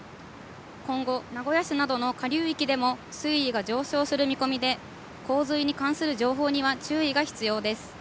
今後、名古屋市などの下流域でも水位が上昇する見込みで、洪水に関する情報には注意が必要です。